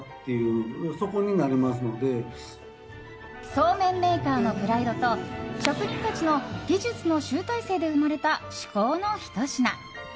そうめんメーカーのプライドと職人たちの技術の集大成で生まれた至高のひと品。